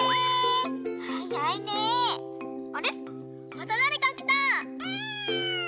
あれまただれかきた。